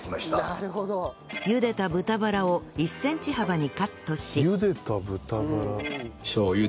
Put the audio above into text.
茹でた豚バラを１センチ幅にカットし